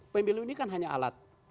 pemilu ini kan hanya alat